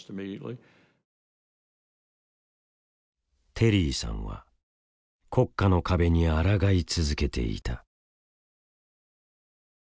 テリーさんは国家の壁にあらがい続けていた。